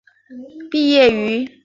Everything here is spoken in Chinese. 毕业于。